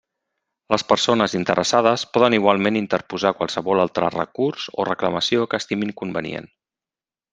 Les persones interessades poden igualment interposar qualsevol altre recurs o reclamació que estimin convenient.